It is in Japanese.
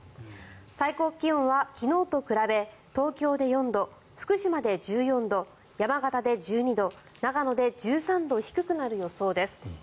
最高気温は昨日と比べ東京で４度福島で１４度山形で１２度長野で１３度低くなる予想です。